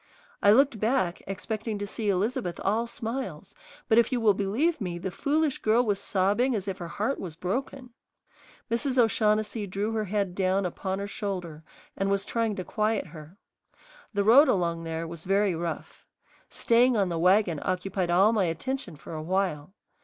I looked back, expecting to see Elizabeth all smiles, but if you will believe me the foolish girl was sobbing as if her heart was broken. Mrs. O'Shaughnessy drew her head down upon her shoulder and was trying to quiet her. The road along there was very rough. Staying on the wagon occupied all my attention for a while.